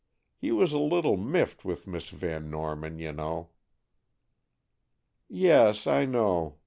He was a little miffed with Miss Van Norman, you know." "Yes, I know.